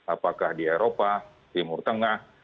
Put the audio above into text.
apakah di eropa timur tengah